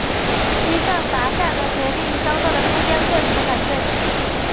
西藏噶厦的决定遭到中央政府的反对。